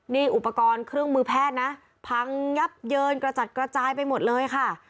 นี่อุปกรณ์เครื่องมือแพทย์นะพังยับเยินกระจัดกระจายไปหมดเลยค่ะ